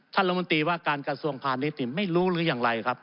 ท่านรมนตรีว่าการกระทรวงพลาดนิดนึงไม่รู้หรือยังไรครับ